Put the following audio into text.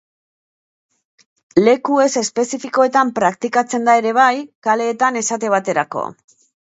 Leku ez espezifikoetan praktikatzen da ere bai, kaleetan esate baterako.